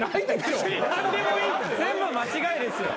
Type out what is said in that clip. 全部間違えですよ。